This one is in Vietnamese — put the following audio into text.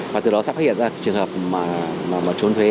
và từ đó sẽ phát hiện ra trường hợp mà trốn thuế